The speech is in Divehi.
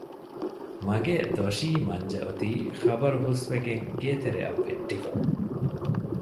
މަގޭ ދޮށީ މަންޖެ އޮތީ ޚަބަރު ހުސްވެގެން ގޭތެރެއަށް ވެއްޓިފަ